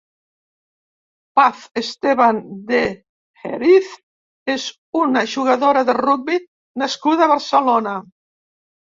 Paz Estevan de Heriz és una jugadora de rugbi nascuda a Barcelona.